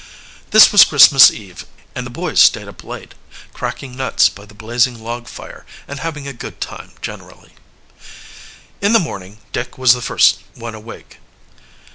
This was Christmas Eve, and the boys stayed up late, cracking nuts by the blazing log fire and having a good time generally. In the morning Dick was the first one awake.